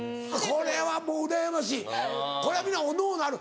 これはもううらやましいこれは皆おのおのある。